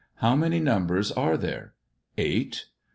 How many numbers are there 1 "" Eight."